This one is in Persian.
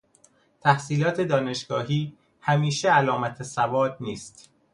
تحصیلات دانشگاهی همیشه علامت سواد نیست.